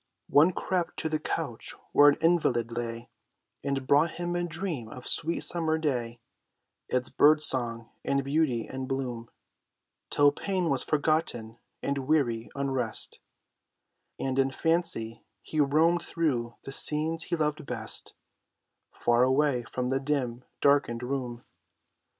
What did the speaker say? One crept to the couch where an invalid lay, And brought him a dream of the sweet summer day, Its bird song and beauty and bloom; Till pain was forgotten and weary unrest, And in fancy he roamed through the scenes he loved best, Far away from the dim, darkened room.